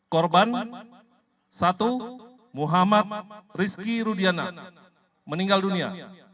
korban satu muhammad rizky rudiana meninggal dunia